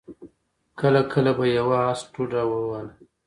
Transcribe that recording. کله کله به يوه آس ټوډه ووهله.